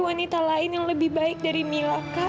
wanita lain yang lebih baik dari mila kak